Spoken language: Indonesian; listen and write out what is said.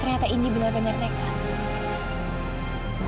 ternyata indi benar benar dekat